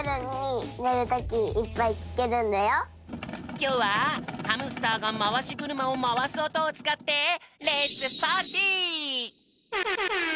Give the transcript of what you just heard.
きょうはハムスターがまわしぐるまをまわすおとをつかってイエイ！